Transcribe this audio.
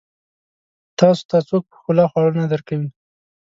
تاسو ته څوک په ښکلا خواړه نه درکوي.